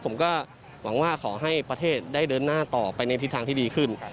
ผมก็หวังว่าขอให้ประเทศได้เดินหน้าต่อไปในทิศทางที่ดีขึ้น